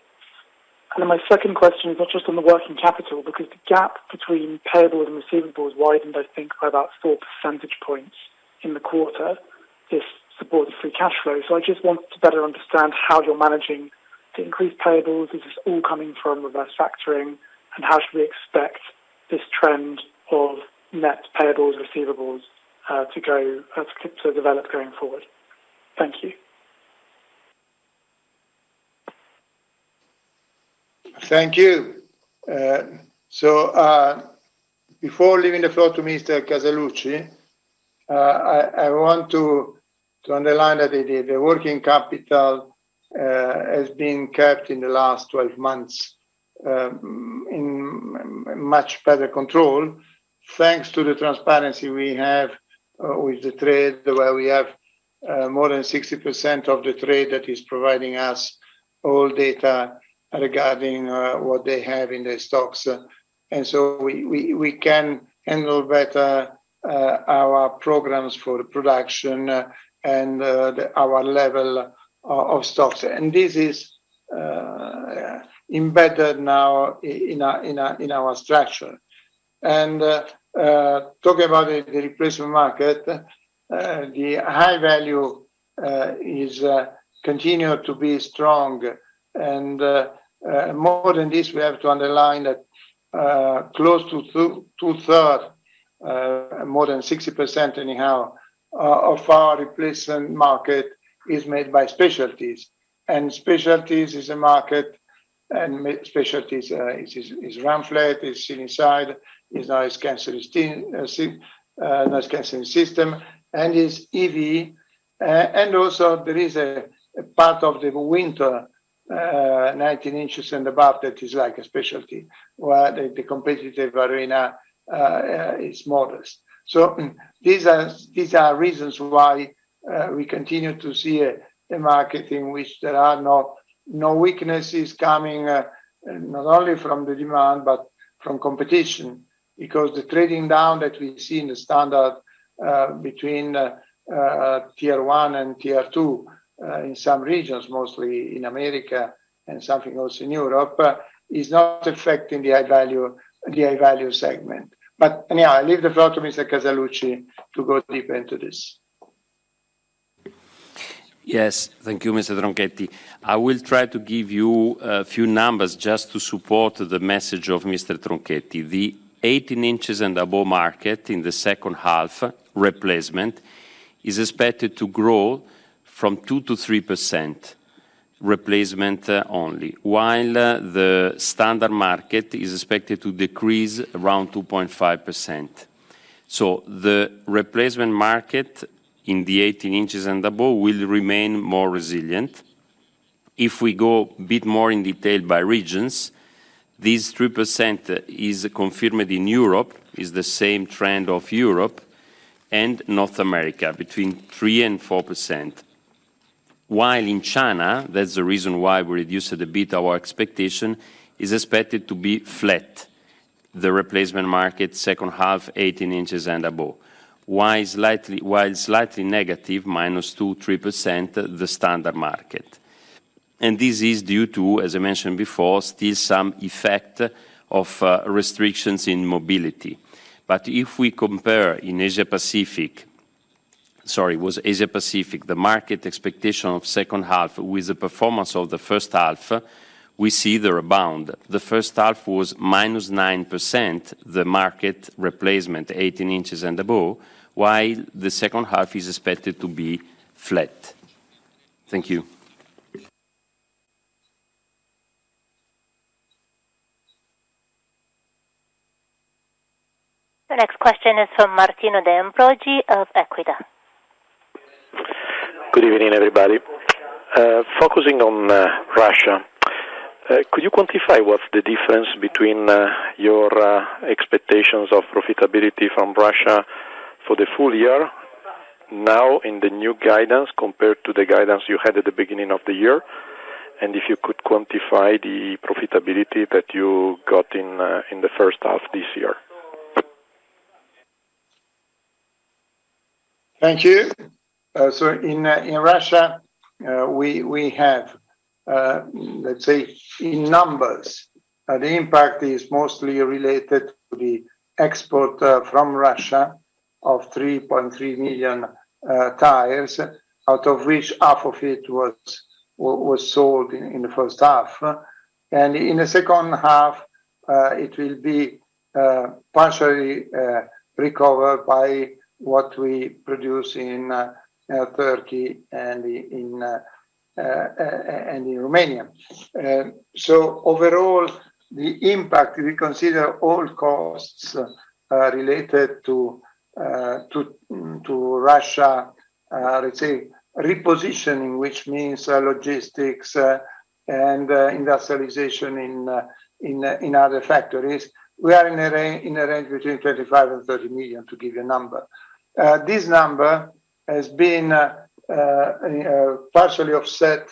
[SPEAKER 7] My second question is not just on the working capital, because the gap between payables and receivables widened, I think, by about four percentage points in the quarter. This supports the free cash flow. I just want to better understand how you're managing the increased payables. Is this all coming from reverse factoring? How should we expect this trend of net payables, receivables, to go, to develop going forward? Thank you.
[SPEAKER 2] Thank you. Before leaving the floor to Mr. Casaluci, I want to underline that the working capital has been kept in the last 12 months in much better control, thanks to the transparency we have with the trade, where we have more than 60% of the trade that is providing us all data regarding what they have in their stocks. We can handle better our programs for production and our level of stocks. This is embedded now in our structure. Talking about the Replacement market, the high value continues to be strong. More than this, we have to underline that, close to 2/3, more than 60% anyhow, of our Replacement market is made by specialties. Specialties is a market, and specialties is Run Flat, is Seal Inside, Noise Cancelling System, and is EV. Also there is a part of the winter 19 inches and above that is like a specialty, where the competitive arena is modest. These are reasons why we continue to see a market in which there are no weaknesses coming, not only from the demand, but from competition. Because the trading down that we see in the standard between tier one and tier two in some regions, mostly in America and something also in Europe, is not affecting the high value segment. Anyhow, I leave the floor to Mr. Casaluci to go deeper into this.
[SPEAKER 3] Yes. Thank you, Mr. Tronchetti. I will try to give you a few numbers just to support the message of Mr. Tronchetti. The 18 inches and above market in the second half Replacement is expected to grow 2%-3% Replacement only, while the standard market is expected to decrease around 2.5%. The Replacement market in the 18 inches and above will remain more resilient. If we go a bit more in detail by regions, this 3% is confirmed in Europe, is the same trend of Europe and North America, 3%-4%. While in China, that's the reason why we reduced a bit our expectation, is expected to be flat, the Replacement market second half 18 inches and above. While slightly negative, -2% to -3%, the standard market. This is due to, as I mentioned before, still some effect of restrictions in mobility. But if we compare in Asia Pacific Sorry, was Asia Pacific, the market expectation of second half with the performance of the first half, we see the rebound. The first half was -9%, the market Replacement 18 inches and above, while the second half is expected to be flat. Thank you.
[SPEAKER 1] The next question is from Martino De Ambroggi of Equita.
[SPEAKER 8] Good evening, everybody. Focusing on Russia, could you quantify what's the difference between your expectations of profitability from Russia for the full year now in the new guidance compared to the guidance you had at the beginning of the year? If you could quantify the profitability that you got in the first half this year.
[SPEAKER 2] Thank you. In Russia, we have, let's say, in numbers, the impact is mostly related to the export from Russia of 3.3 million tyres, out of which half of it was sold in the first half. In the second half, it will be partially recovered by what we produce in Turkey and in Romania. Overall, the impact, we consider all costs related to Russia, let's say, repositioning, which means logistics and industrialization in other factories. We are in a range between 25 million-30 million, to give you a number. This number has been partially offset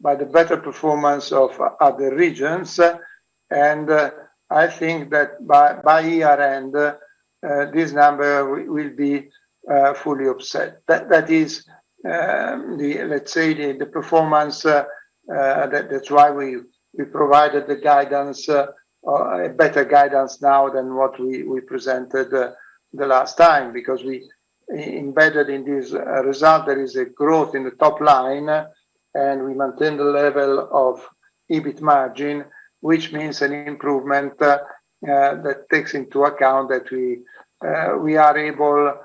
[SPEAKER 2] by the better performance of other regions. I think that by year-end, this number will be fully offset. That is, let's say, the performance. That's why we provided the guidance, a better guidance now than what we presented the last time, because embedded in this result, there is a growth in the top line, and we maintain the level of EBIT margin, which means an improvement that takes into account that we are able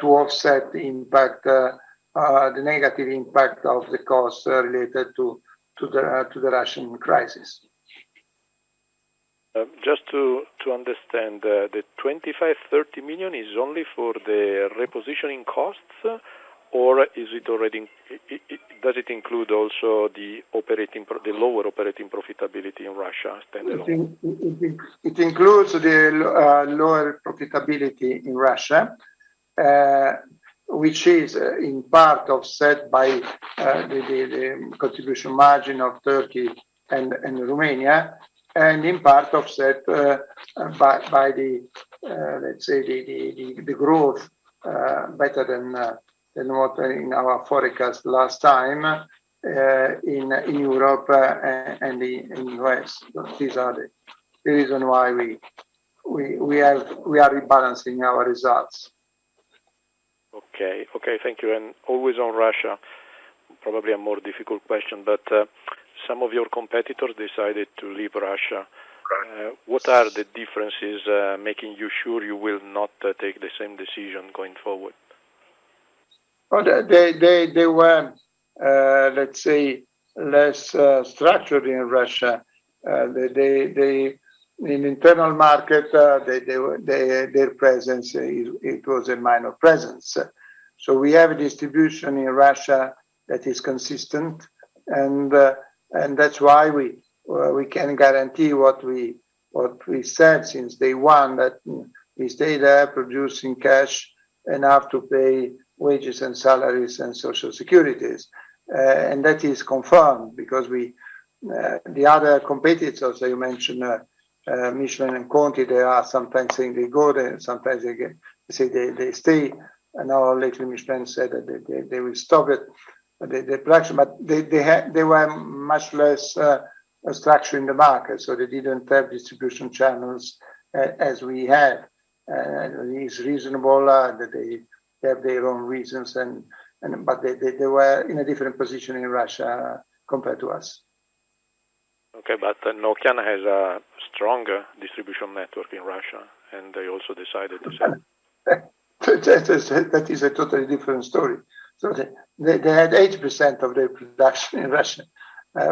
[SPEAKER 2] to offset the impact, the negative impact of the costs related to the Russian crisis.
[SPEAKER 8] Just to understand, the 25 million-30 million is only for the repositioning costs? Or does it include also the lower operating profitability in Russia standalone?
[SPEAKER 2] It includes the lower profitability in Russia, which is in part offset by the contribution margin of Turkey and Romania, and in part offset by let's say the growth better than what in our forecast last time, in Europe and in U.S. These are the reason why we are rebalancing our results.
[SPEAKER 8] Okay. Okay, thank you. Always on Russia, probably a more difficult question, but some of your competitors decided to leave Russia.
[SPEAKER 2] Correct.
[SPEAKER 8] What are the differences, making you sure you will not take the same decision going forward?
[SPEAKER 2] They were, let's say, less structured in Russia. In internal market, their presence, it was a minor presence. We have a distribution in Russia that is consistent, and that's why we can guarantee what we said since day one, that we stay there producing cash enough to pay wages and salaries and social security. That is confirmed because the other competitors that you mentioned, Michelin and Conti, they are sometimes saying they go there, sometimes they say they stay. Now lately, Michelin said that they will stop the production. They were much less structured in the market, so they didn't have distribution channels as we had. It's reasonable that they have their own reasons. They were in a different position in Russia compared to us.
[SPEAKER 8] Okay, Nokian has a stronger distribution network in Russia, and they also decided to sell it.
[SPEAKER 2] That is a totally different story. They had 80% of their production in Russia,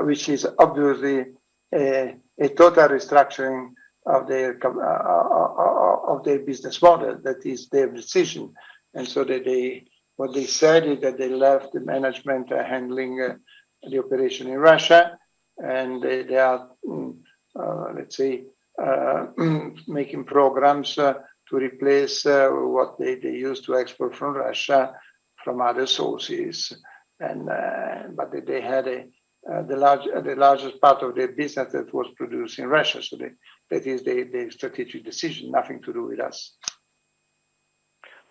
[SPEAKER 2] which is obviously a total restructuring of their business model. That is their decision. What they said is that they left the management handling the operation in Russia, and they are, let's say, making programs to replace what they used to export from Russia from other sources. They had the largest part of their business that was produced in Russia. That is the strategic decision, nothing to do with us.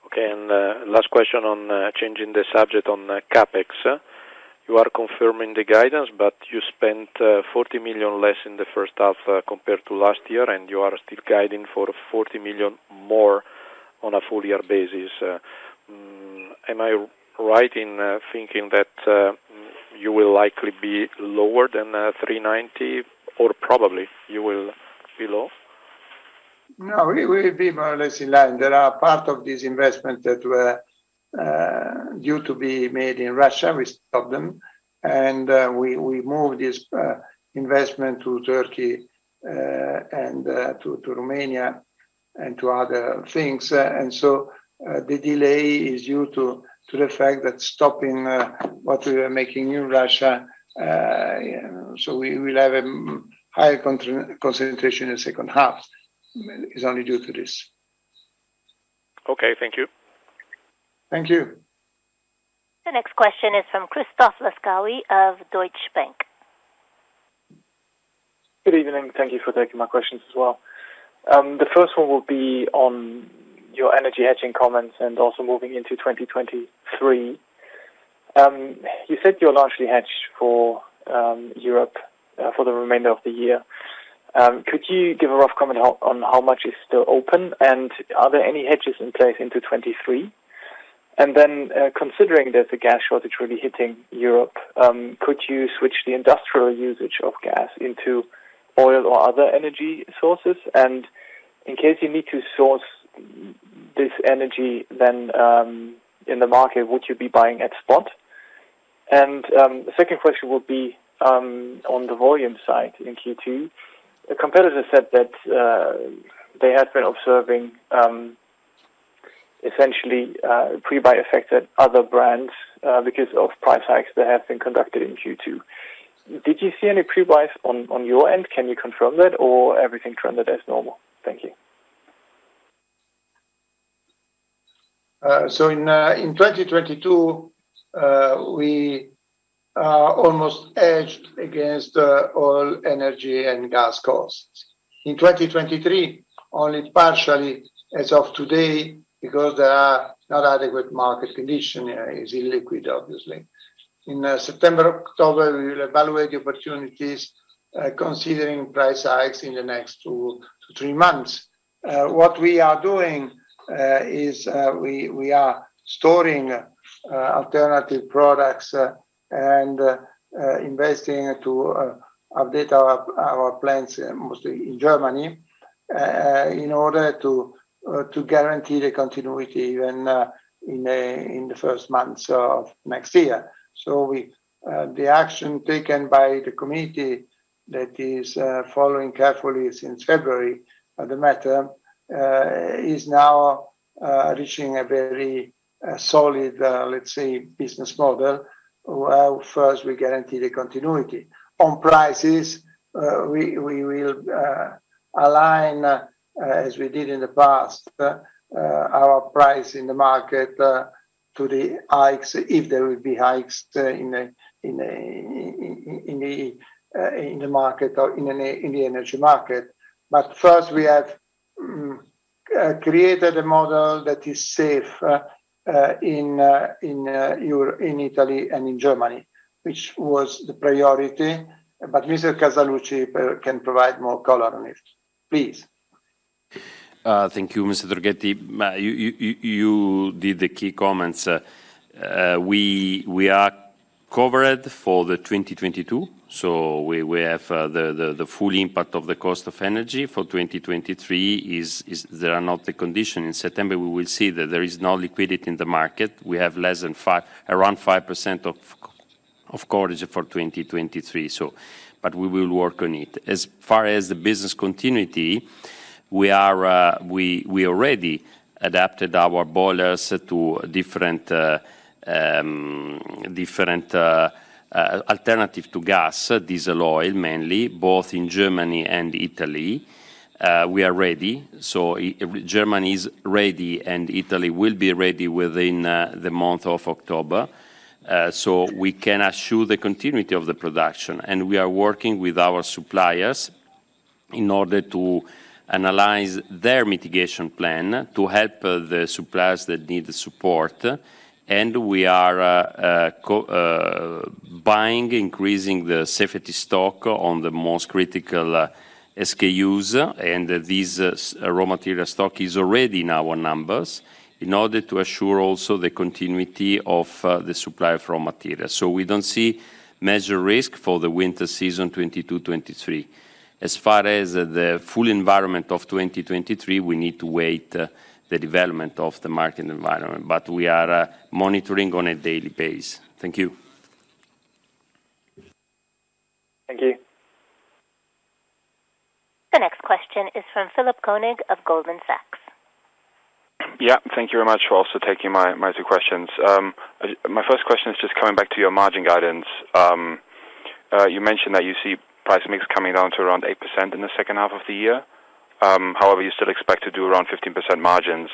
[SPEAKER 8] Okay. Last question on changing the subject on CapEx. You are confirming the guidance, but you spent 40 million less in the first half compared to last year, and you are still guiding for 40 million more on a full year basis. Am I right in thinking that you will likely be lower than 390, or probably you will be low?
[SPEAKER 2] No, we'll be more or less in line. There are part of this investment that were due to be made in Russia. We stopped them, and we moved this investment to Turkey, and to Romania, and to other things. The delay is due to the fact that stopping what we were making in Russia, so we will have a higher concentration in the second half. It's only due to this.
[SPEAKER 8] Okay, thank you.
[SPEAKER 2] Thank you.
[SPEAKER 1] The next question is from Christoph Laskawi of Deutsche Bank.
[SPEAKER 9] Good evening. Thank you for taking my questions as well. The first one will be on your energy hedging comments and also moving into 2023. You said you're largely hedged for Europe for the remainder of the year. Could you give a rough comment on how much is still open, and are there any hedges in place into 2023? Considering that the gas shortage really hitting Europe, could you switch the industrial usage of gas into oil or other energy sources? In case you need to source this energy then in the market, would you be buying at spot? The second question would be on the volume side in Q2. A competitor said that they had been observing essentially pre-buy effects at other brands because of price hikes that have been conducted in Q2. Did you see any pre-buys on your end? Can you confirm that or everything turned out as normal? Thank you.
[SPEAKER 2] In 2022, we almost hedged against oil, energy, and gas costs. In 2023, only partially as of today because there are not adequate market conditions. It is illiquid, obviously. In September, October, we will evaluate the opportunities, considering price hikes in the next two to three months. What we are doing is we are storing alternative products and investing to update our plants mostly in Germany in order to guarantee the continuity even in the first months of next year. The action taken by the committee that is following carefully since February the matter is now reaching a very solid, let's say, business model. Well, first, we guarantee the continuity. On prices, we will align, as we did in the past, our price in the market to the hikes, if there will be hikes, in the market or in the energy market. First, we have created a model that is safe in Italy and in Germany, which was the priority. Mr. Casaluci can provide more color on it. Please.
[SPEAKER 3] Thank you, Mr. Tronchetti. You did the key comments. We are covered for the 2022, so we have the full impact of the cost of energy. For 2023 there are not the condition. In September, we will see that there is no liquidity in the market. We have around 5% of coverage for 2023, but we will work on it. As far as the business continuity, we already adapted our boilers to different alternative to gas, diesel oil mainly, both in Germany and Italy. We are ready. Germany is ready and Italy will be ready within the month of October. We can assure the continuity of the production. We are working with our suppliers in order to analyze their mitigation plan to help the suppliers that need the support. We are co-buying, increasing the safety stock on the most critical SKUs. These raw material stock is already in our numbers in order to assure also the continuity of the supply of raw material. We don't see major risk for the winter season 2022-2023. As far as the full environment of 2023, we need to wait the development of the market environment. We are monitoring on a daily basis. Thank you.
[SPEAKER 9] Thank you.
[SPEAKER 1] The next question is from Philipp Koenig of Goldman Sachs.
[SPEAKER 10] Yeah. Thank you very much for also taking my two questions. My first question is just coming back to your margin guidance. You mentioned that you see price mix coming down to around 8% in the second half of the year. However, you still expect to do around 15% margins.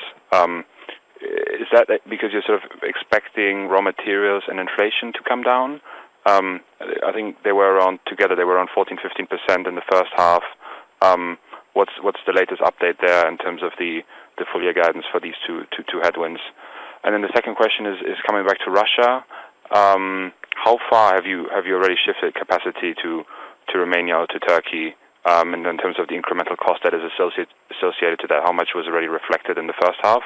[SPEAKER 10] Is that because you're sort of expecting raw materials and inflation to come down? I think together they were around 14%, 15% in the first half. What's the latest update there in terms of the full year guidance for these two headwinds? The second question is coming back to Russia. How far have you already shifted capacity to Romania or to Turkey? In terms of the incremental cost that is associated to that, how much was already reflected in the first half?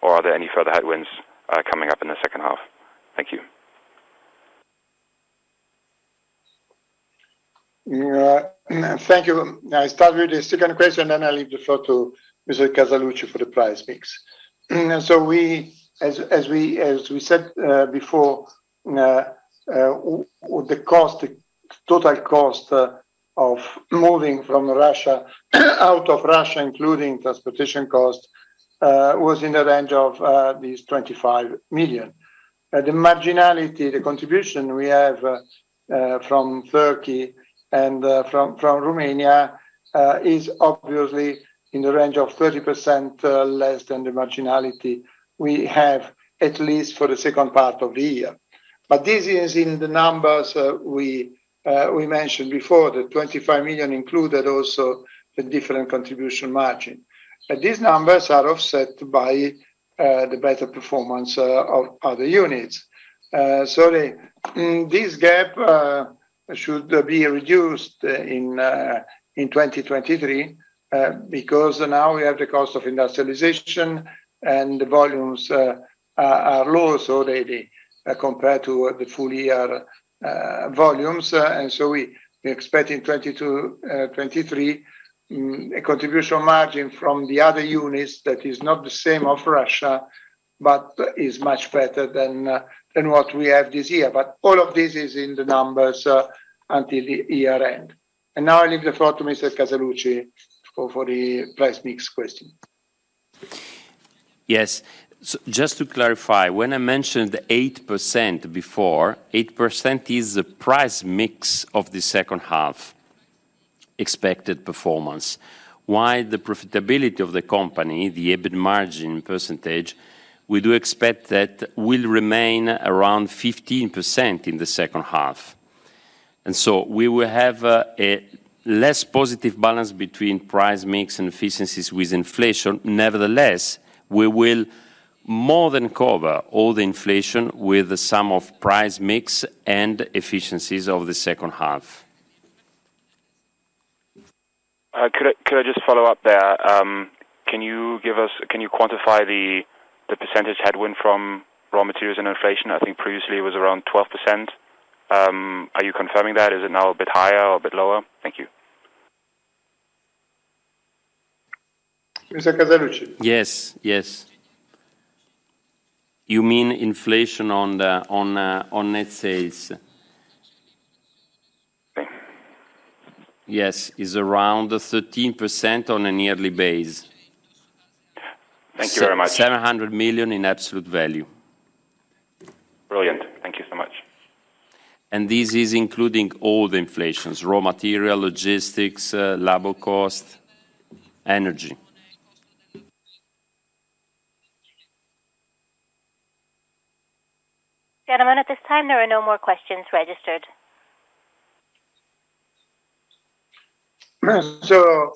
[SPEAKER 10] Or are there any further headwinds coming up in the second half? Thank you.
[SPEAKER 2] Thank you. I start with the second question, then I'll leave the floor to Mr. Casaluci for the price mix. As we said before, well, the total cost of moving from Russia out of Russia, including transportation costs, was in the range of this 25 million. The marginality, the contribution we have from Turkey and from Romania, is obviously in the range of 30% less than the marginality we have at least for the second part of the year. This is in the numbers we mentioned before. The 25 million included also the different contribution margin. These numbers are offset by the better performance of other units. This gap should be reduced in 2023, because now we have the cost of industrialization, and the volumes are low already, compared to the full year volumes. We expect in 2022, 2023, a contribution margin from the other units that is not the same of Russia but is much better than what we have this year. All of this is in the numbers until the year end. Now I leave the floor to Mr. Casaluci for the price mix question.
[SPEAKER 3] Yes. Just to clarify, when I mentioned 8% before, 8% is the price mix of the second half expected performance, while the profitability of the company, the EBIT margin percentage, we do expect that will remain around 15% in the second half. We will have a less positive balance between price mix and efficiencies with inflation. Nevertheless, we will more than cover all the inflation with the sum of price mix and efficiencies of the second half.
[SPEAKER 10] Could I just follow up there? Can you give us, can you quantify the percentage headwind from raw materials and inflation? I think previously it was around 12%. Are you confirming that? Is it now a bit higher or a bit lower? Thank you.
[SPEAKER 2] Mr. Casaluci.
[SPEAKER 3] Yes. You mean inflation on net sales?
[SPEAKER 10] Thank you.
[SPEAKER 3] Yes. It's around 13% on a yearly basis.
[SPEAKER 10] Thank you very much.
[SPEAKER 3] 700 million in absolute value.
[SPEAKER 10] Brilliant. Thank you so much.
[SPEAKER 3] This is including all the inflations, raw material, logistics, labor cost, energy.
[SPEAKER 1] Gentlemen, at this time, there are no more questions registered.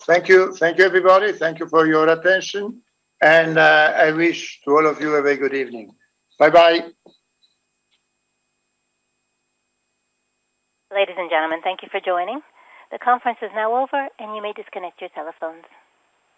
[SPEAKER 2] Thank you. Thank you, everybody. Thank you for your attention. I wish to all of you a very good evening. Bye-bye.
[SPEAKER 1] Ladies and gentlemen, thank you for joining. The conference is now over, and you may disconnect your telephones.